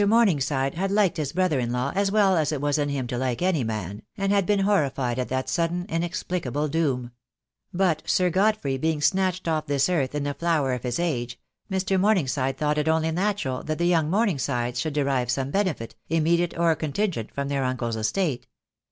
Morningside had liked his brother in law as well as it was in him to like any man, and had been horrified at that sudden inexplicable doom; but Sir Godfrey being snatched off this earth in the flower of his age, Mr. Morningside thought it only natural that the young Morn ingsides should derive some benefit, immediate or con tingent, from their uncle's estate.